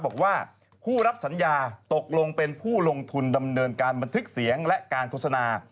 บอกว่าผู้รับสัญญาตกลงเป็นผู้ลงทุนดำเนินการบันทึกเสียงและการโฆษณา